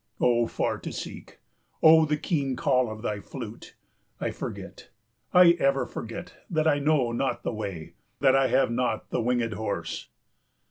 O Far to seek, O the keen call of thy flute! I forget, I ever forget, that I know not the way, that I have not the winged horse.